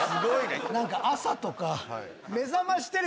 何か朝とか。